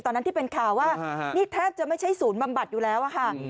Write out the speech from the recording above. ที่เป็นข่าวว่านี่แทบจะไม่ใช่ศูนย์บำบัดอยู่แล้วค่ะ